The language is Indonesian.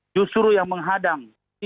justru yang menghadang